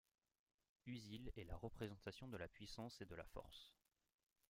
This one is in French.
Usil est la représentation de la puissance et de la force.